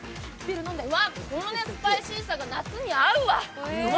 うわ、スパイシーさが夏に合うわ。